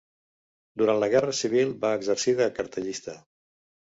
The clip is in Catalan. Durant la Guerra Civil, va exercir de cartellista.